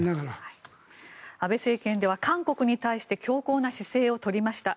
安倍政権では韓国に対して強硬な姿勢を取りました。